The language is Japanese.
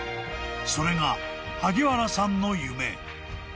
［それが萩原さんの夢］